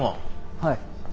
はい。